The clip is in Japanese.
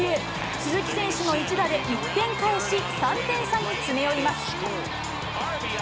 鈴木選手の一打で１点返し、３点差に詰め寄ります。